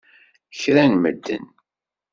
Kra n medden!